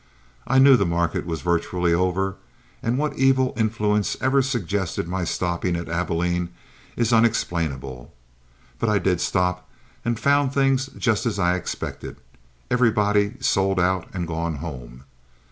I knew the market was virtually over, and what evil influence ever suggested my stopping at Abilene is unexplainable. But I did stop, and found things just as I expected, everybody sold out and gone home.